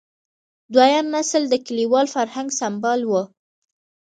دویم نسل د کلیوال فرهنګ سمبال و.